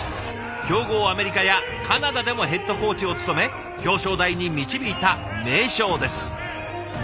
強豪アメリカやカナダでもヘッドコーチを務め表彰台に導いた名将です。